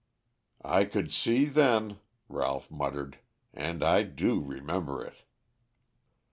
"I could see then," Ralph muttered, "and I do remember it."